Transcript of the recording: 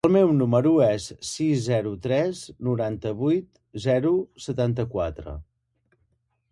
El meu número es el sis, zero, tres, noranta-vuit, zero, setanta-quatre.